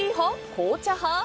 紅茶派？